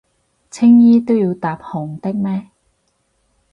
青衣都要搭紅的咩？